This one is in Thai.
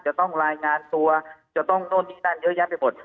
จะต้องรายงานตัวจะต้องโน่นนี่นั่นเยอะแยะไปหมด